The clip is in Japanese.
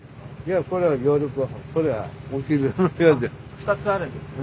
２つあるんですね。